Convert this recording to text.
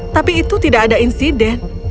tapi itu tidak ada insiden